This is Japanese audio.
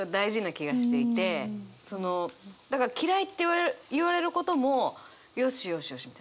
だから「嫌い」って言われることも「よしよしよし」みたいな。